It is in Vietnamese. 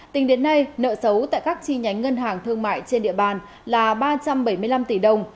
tính đến nay nợ xấu tại các chi nhánh ngân hàng thương mại trên địa bàn là ba trăm bảy mươi năm tỷ đồng